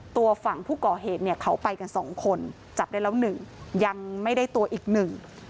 ตัวฝั่งผู้ก่อเหตุเนี่ยเขาไปกันสองคนจับได้แล้วหนึ่งยังไม่ได้ตัวอีกหนึ่ง